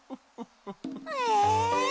・え？